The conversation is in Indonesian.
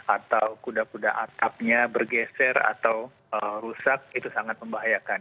atau kuda kuda atapnya bergeser atau rusak itu sangat membahayakan